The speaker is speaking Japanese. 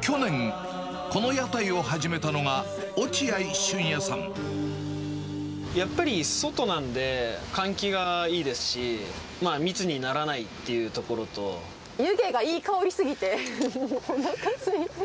去年、この屋台を始めたのが、やっぱり外なんで、換気がいいですし、湯気がいい香りすぎて、おなかすいてきた。